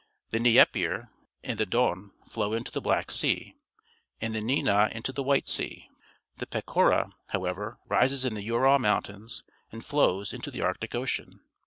The Dnieper and the Don flow into the Black Sea, and the Dvina into the White Sea. The Pechora, however, rises in the Ural Mountains and flows into the Arctic Ocean.